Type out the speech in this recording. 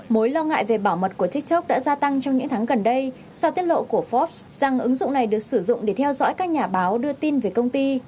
mối lo ngại về bảo mật của tiktok đã gia tăng trong những tháng gần đây sau tiết lộ của forbes rằng ứng dụng này được sử dụng để theo dõi các nhà báo đưa tin về công ty